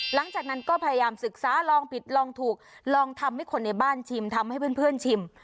หลังจากนั้นก็พยายามศึกษาลองผิดลองถูกลองทำให้คนในบ้านชิมทำให้เพื่อนชิม